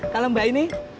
kalau mbak ini